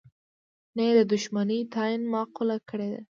نه یې د دوښمنی تعین معقوله کړې ده.